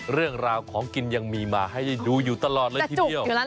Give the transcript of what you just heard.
เรื่องราวของกินยังมีมาให้ได้ดูอยู่ตลอดเลยทีเดียว